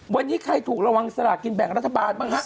วันนี้ใครถูกระวังสลากกินแบ่งรัฐบาลบ้างฮะ